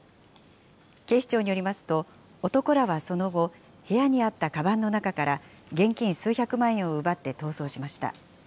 警視庁によりますと、男らはその後、部屋にあったかばんの中から現金数百万円を奪って逃走しました。